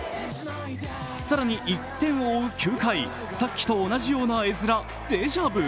更に１点を追う９回、さっきと同じような絵面、デジャブ？